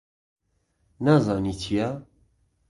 نازانی چییە؟